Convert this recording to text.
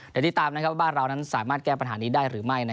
เดี๋ยวติดตามว่าเรานั้นสามารถแก้ปัญหานี้ได้หรือไม่